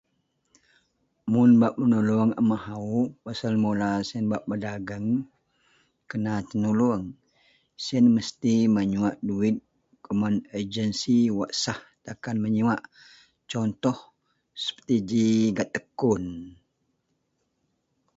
Mun bak menulong a mahou pasel mula siyen bak pedageng kena tenulong siyen mesti menyuwak duwit kuman agensi wak sah taken menyuwak contoh seperti ji gak Tekun.